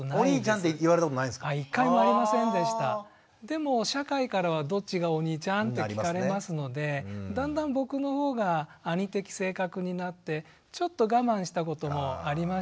でも社会からは「どっちがお兄ちゃん？」って聞かれますのでだんだん僕の方が兄的性格になってちょっと我慢したこともありました。